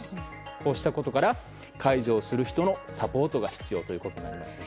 こうしたことから介助をする人のサポートが必要だということです。